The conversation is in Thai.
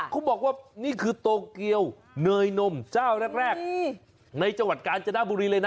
เขาบอกว่านี่คือโตเกียวเนยนมเจ้าแรกในจังหวัดกาญจนบุรีเลยนะ